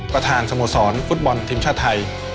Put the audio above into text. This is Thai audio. ประธานสโมสรฟุตบอลทีมชาติไทย